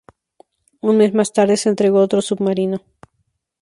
Un mes más tarde, se entregó otro submarino.